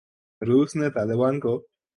روس نے طالبان کو